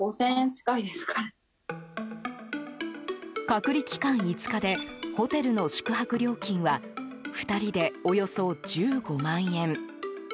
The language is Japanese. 隔離期間５日でホテルの宿泊料金は２人でおよそ１５万円。